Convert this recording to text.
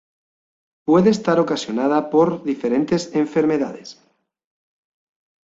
Puede estar ocasionada por diferentes enfermedades.